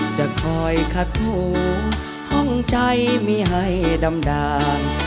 จะคอยคัดถูห้องใจมีให้ดำดาล